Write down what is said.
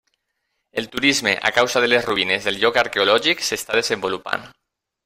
El turisme, a causa de les ruïnes del lloc arqueològic, s'està desenvolupant.